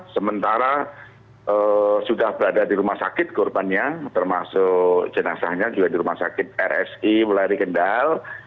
sementara sudah berada di rumah sakit korbannya termasuk jenazahnya juga di rumah sakit rsi melari kendal